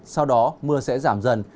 sau đó mưa sẽ giảm dần